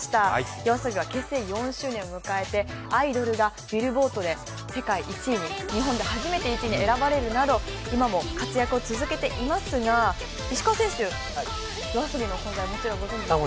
ＹＯＡＳＯＢＩは結成４周年を迎えて「アイドル」がビルボードで、日本で初めて世界１位に選ばれるなど、今も活躍を続けていますが、石川選手、ＹＯＡＳＯＢＩのことはご存じですか？